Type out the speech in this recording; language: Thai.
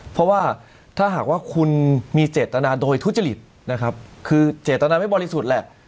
เพราะว่าถ้าหากว่าคุณมีเจตนาโดยทุจริตนะครับคือเจตนาไม่บริสุทธิ์แหละ